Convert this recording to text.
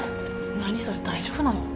何それ大丈夫なの？